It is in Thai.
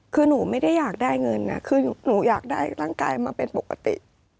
คือหนูไม่ได้อยากได้เงินคือหนูอยากได้ร่างกายมาเป็นปกติ